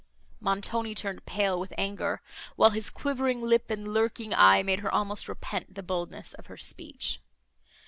Montoni turned pale with anger, while his quivering lip and lurking eye made her almost repent the boldness of her speech.